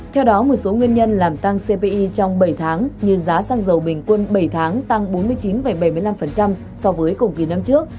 theo đó một số nguyên nhân làm tăng cpi trong bảy tháng như giá xăng dầu bình quân bảy tháng tăng bốn mươi chín bảy mươi năm so với cùng kỳ năm trước